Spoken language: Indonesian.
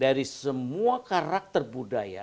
dari semua karakter budaya